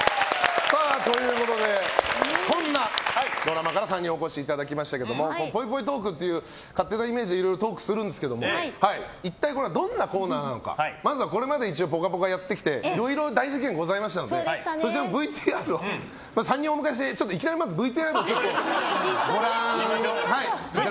そんなドラマから３人お越しいただきましたけどもぽいぽいトークという勝手なイメージでいろいろトークするんですが一体これはどんなコーナーなのかまずはこれまで「ぽかぽか」やってきていろいろ大事件ございましたのでそちらのＶＴＲを３人お迎えしていきなりＶＴＲをご覧いただいて。